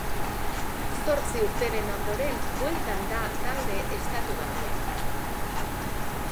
Zortzi urteren ondoren, bueltan da talde estatubatuarra.